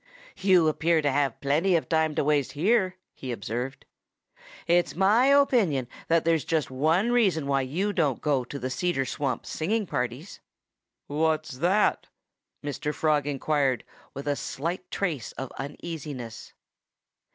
"You appear to have plenty of time to waste here," he observed. "It's my opinion that there's just one reason why you don't go to the Cedar Swamp singing parties." "What's that?" Mr. Frog inquired with a slight trace of uneasiness.